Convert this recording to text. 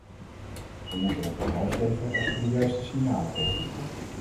We moeten het bedrijfsleven echter de juiste signalen geven.